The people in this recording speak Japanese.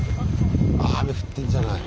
雨降ってんじゃない？